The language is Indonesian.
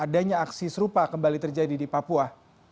adanya aksi serupa kembali terjadi di papua